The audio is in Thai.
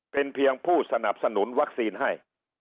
เป็นเพียงผู้สนับสนุนวัคซีนให้